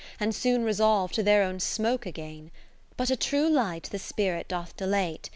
And soon resolve to their own smoke again. But a true light the spirit doth dilate.